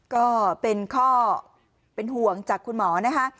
ก็เป็นข้อเป็นห่วงจากคุณหมอนะคะ